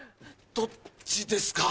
どっちですか？